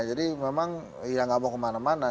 jadi memang ya enggak mau kemana mana